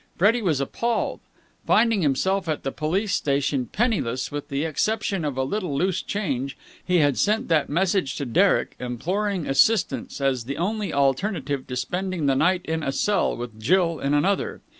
Freddie was appalled. Finding himself at the police station penniless with the exception of a little loose change, he had sent that message to Derek, imploring assistance, as the only alternative to spending the night in a cell, with Jill in another.